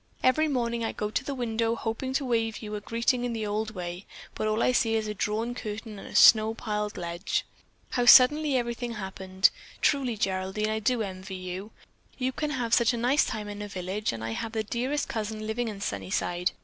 Every morning I go to the window hoping to wave you a greeting in the old way, but all I see is a drawn curtain and a snow piled ledge. How suddenly everything happened! Truly, Geraldine, I do envy you. One can have such a nice time in a village and I have the dearest cousin living in Sunnyside.